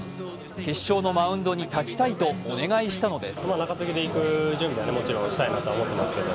決勝のマウンドに立ちたいとお願いしたのです。